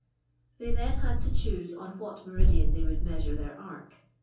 They then had to choose on what meridian they would measure their arc.